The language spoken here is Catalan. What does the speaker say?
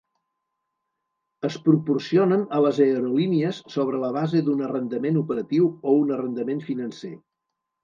Es proporcionen a les aerolínies sobre la base d'un arrendament operatiu o un arrendament financer.